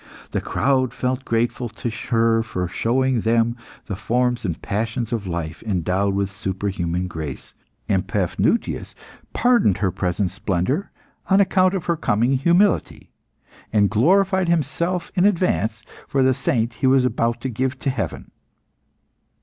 The crowd felt grateful to her for showing them the forms and passions of life endowed with superhuman grace, and Paphnutius pardoned her present splendour on account of her coming humility, and glorified himself in advance for the saint he was about to give to heaven.